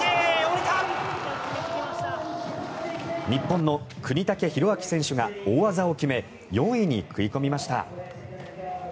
日本の國武大晃選手が大技を決め４位に食い込みました。